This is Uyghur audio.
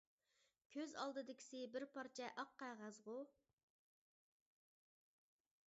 كۆز ئالدىدىكىسى بىر پارچە ئاق قەغەزغۇ!